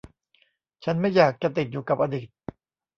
ฉันไม่อยากจะติดอยู่กับอดีต